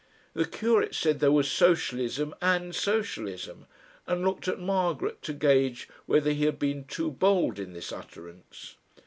The curate said there was socialism AND socialism, and looked at Margaret to gauge whether he had been too bold in this utterance.